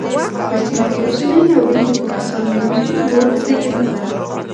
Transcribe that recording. په سیمه کې اوسنی ناورین د پاکستان د مزدور رول زېږنده ده.